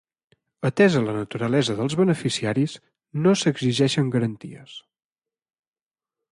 Atesa la naturalesa dels beneficiaris, no s'exigeixen garanties.